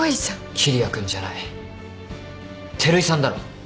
桐矢君じゃない照井さんだろ。